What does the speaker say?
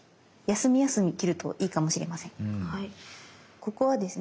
ここはですね